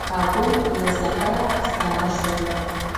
هغوی له سفره ستانه شول